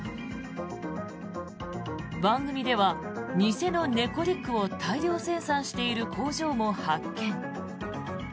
番組では偽の猫リュックを大量生産している工場も発見。